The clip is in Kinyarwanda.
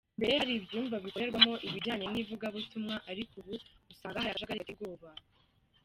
Mbere hari ibyumba bikorerwamo ibijyanye n’ivugabutumwa ariko ubu usanga hari akajagari gateye ubwoba.